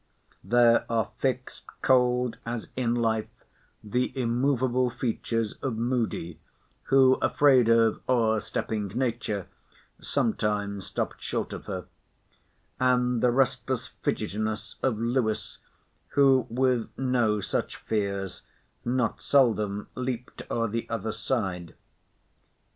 There are fixed, cold as in life, the immovable features of Moody, who, afraid of o'erstepping nature, sometimes stopped short of her—and the restless fidgetiness of Lewis, who, with no such fears, not seldom leaped o' the other side.